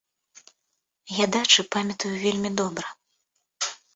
Я дачы памятаю вельмі добра.